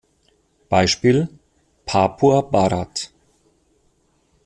Beispiel: Papua Barat.